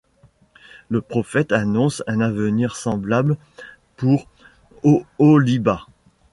Le prophète annonce un avenir semblable pour Oholiba.